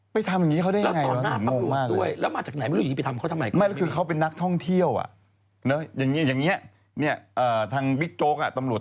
ไปทำอย่างนี้เค้าได้ยังไงมันโมงมากเลย